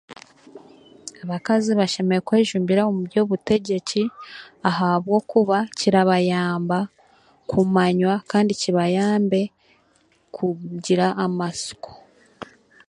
Abakazi bashemereire kwejumbira omu by'obutegyeki ahabwokuba kirabayamba kumanywa kandi kibayambe kugira amasiko.